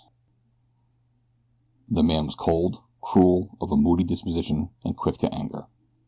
The man was cold, cruel, of a moody disposition, and quick to anger.